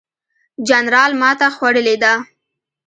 جنرال ماته خوړلې ده.